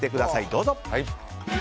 どうぞ。